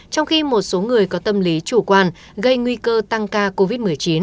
trong khi một số người có tâm lý chủ quan gây nguy cơ tăng ca covid một mươi chín